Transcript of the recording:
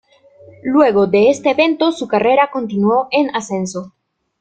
Luego de este evento su carrera continuó en ascenso.